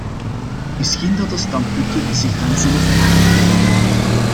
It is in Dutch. Misschien dat de standpunten zich dan zullen verharden.